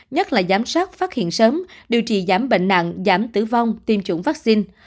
nhất là giám sát phát hiện sớm điều trị giảm bệnh nặng giảm tử vong tiêm chủng vaccine